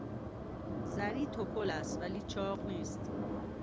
زری تپل است ولی چاق نیست.